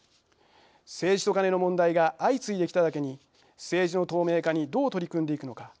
政治とカネの問題が相次いできただけに政治の透明化にどう取り組んでいくのか。